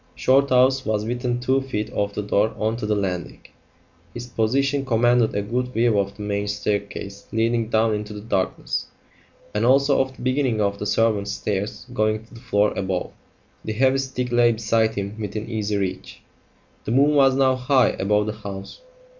Shorthouse was within two feet of the door on to the landing; his position commanded a good view of the main staircase leading down into the darkness, and also of the beginning of the servants' stairs going to the floor above; the heavy stick lay beside him within easy reach. The moon was now high above the house.